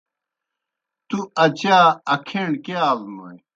تُوْ اچا اکھیݨ کیْہ آلوْنوئے؟